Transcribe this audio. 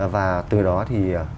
và từ đó thì